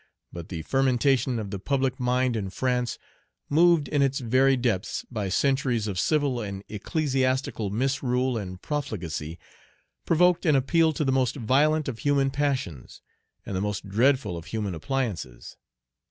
But the fermentation of the public mind in France, moved in its very depths by centuries of civil and ecclesiastical misrule and profligacy, provoked an appeal to the most violent of human passions and the most dreadful of human appliances.